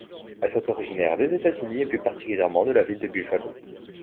Elles sont originaires des États-Unis, et plus particulièrement de la ville de Buffalo.